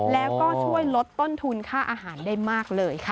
แล้วก็ช่วยลดต้นทุนค่าอาหารได้มากเลยค่ะ